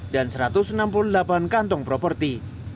dan satu ratus enam puluh delapan kantong properti